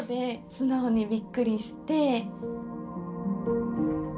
素直にびっくりして。